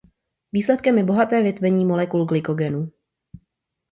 Výsledkem je bohaté větvení molekul glykogenu.